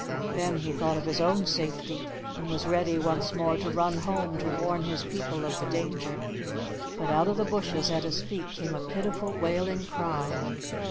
Then he thought of his own safety, and was ready once more to run home to warn his people of the danger; but out of the bushes at his feet came a pitiful wailing cry.